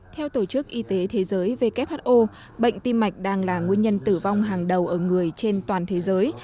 theo tổ chức y tế thế giới who bệnh tim mạch đang là nguyên nhân tử vong hàng đầu ở người trên toàn thế giới